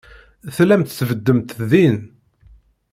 Tellamt tbeddemt din.